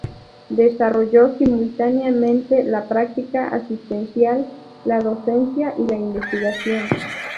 Desarrolló simultáneamente la práctica asistencial, la docencia y la investigación.